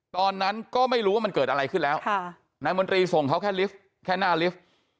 ตอนนั้นก็ไม่รู้ว่ามันเกิดอะไรขึ้นแล้วนายมนตรีส่งเขาแค่ลิฟต์แค่หน้าลิฟต์